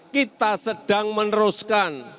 kita sedang meneruskan